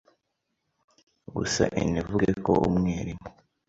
guse enevuge ko umwerimu